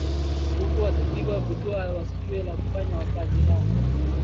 huku wakipigwa butwaa wasijue la kufanya wakazi hao